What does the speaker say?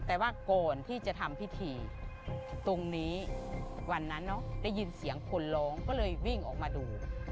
แต่ว่าก่อนที่จะทำพิธีตรงนี้วันนั้นเนอะได้ยินเสียงคนร้องก็เลยวิ่งออกมาดู